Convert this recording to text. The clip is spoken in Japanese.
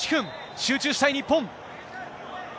集中したい日本。